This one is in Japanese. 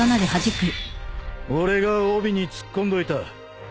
俺が帯に突っ込んどいた。